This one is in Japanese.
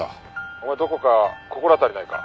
「お前どこか心当たりないか？」